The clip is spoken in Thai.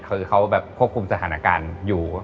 คือเขาแบบควบคุมสถานการณ์อยู่